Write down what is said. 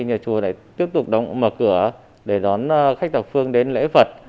nhà chùa tiếp tục mở cửa để dón khách tập phương đến lễ phật